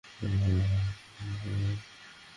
উভয়ের মধ্যে এরূপ শাসনপ্রণালী প্রচলিত ছিল।